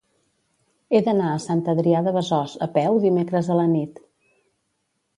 He d'anar a Sant Adrià de Besòs a peu dimecres a la nit.